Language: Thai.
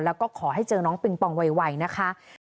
แล้วก็ขอให้เจอน้องปิงปองไวนะคะ